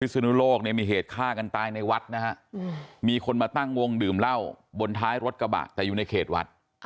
สนุโลกเนี่ยมีเหตุฆ่ากันตายในวัดนะฮะมีคนมาตั้งวงดื่มเหล้าบนท้ายรถกระบะแต่อยู่ในเขตวัด